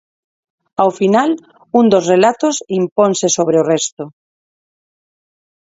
Ao final, un dos relatos imponse sobre o resto.